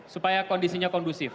supaya kondisinya kondusif